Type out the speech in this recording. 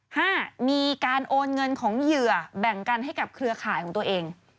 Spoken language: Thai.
ห้ามีการโอนเงินของเหยื่อแบ่งกันให้กับเครือข่ายของตัวเอง